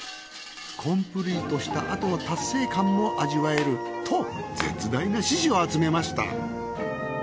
コンプリートした後の達成感も味わえると絶大な支持を集めました。